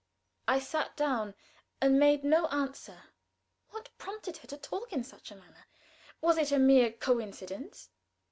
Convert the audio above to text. I sat down and made no answer. What prompted her to talk in such a manner? Was it a mere coincidence?